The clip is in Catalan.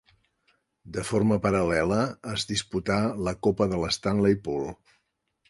De forma paral·lela es disputà la Copa de l'Stanley Pool.